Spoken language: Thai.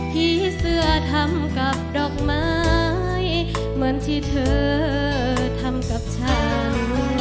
ผีเสื้อทำกับดอกไม้เหมือนที่เธอทำกับฉัน